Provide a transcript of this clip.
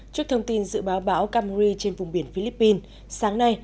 trước thông tin dự báo bão kamuri trên vùng biển philippines sáng nay